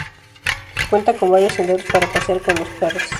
Cuenta con varios senderos para pasear con los perros.